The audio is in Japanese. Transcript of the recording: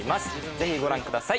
ぜひご覧ください。